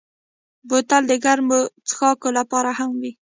بوتل د ګرمو څښاکو لپاره هم وي.